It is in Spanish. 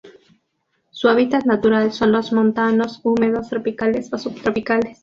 Su hábitat natural son los Montanos húmedos tropicales o subtropicales.